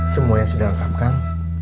semua yang sudah lengkapkan